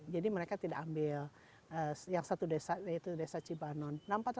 jadi mereka tidak ambil yang satu desa yaitu desa cibanon